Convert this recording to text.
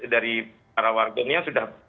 dari para warga ini yang sudah